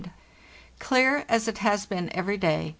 Clear, as it has been every day.